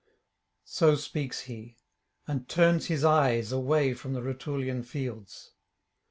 So speaks he, and turns his eyes away from the Rutulian fields.